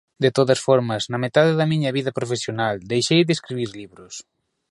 De todas formas, na metade da miña vida profesional deixei de escribir libros.